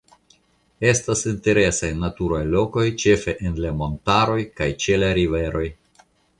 Estas interesaj naturaj lokoj ĉefe en la montaroj kaj ĉe la riveroj.